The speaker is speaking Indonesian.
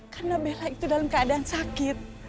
karena bella itu dalam keadaan sakit